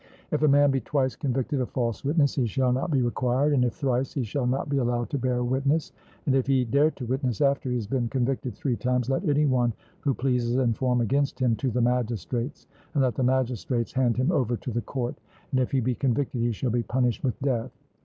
If a man be twice convicted of false witness, he shall not be required, and if thrice, he shall not be allowed to bear witness; and if he dare to witness after he has been convicted three times, let any one who pleases inform against him to the magistrates, and let the magistrates hand him over to the court, and if he be convicted he shall be punished with death.